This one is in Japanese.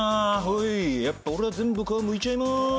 おいやっぱ俺は全部皮むいちゃいます。